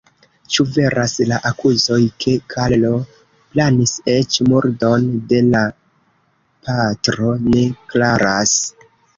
Ĉu veras la akuzoj ke Karlo planis eĉ murdon de la patro, ne klaras.